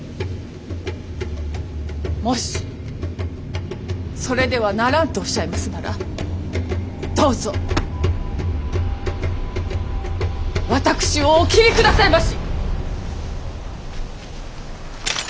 もしそれではならんとおっしゃいますならどうぞ私をお斬りくださいまし。